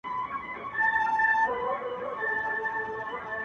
وران خو وراني كيسې نه كوي,